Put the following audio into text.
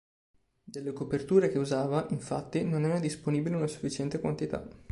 Delle coperture che usava, infatti, non era disponibile una sufficiente quantità.